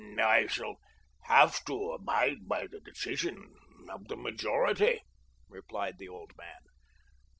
"I shall have to abide by the decision of the majority," replied the old man.